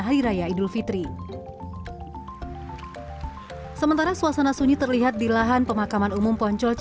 hari raya idul fitri sementara suasana sunyi terlihat di lahan pemakaman umum poncol c